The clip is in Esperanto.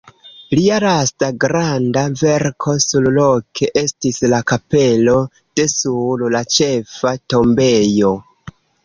Lia lasta granda verko surloke estis la kapelo de sur la ĉefa tombejo.